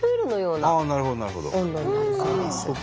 なるほどなるほど。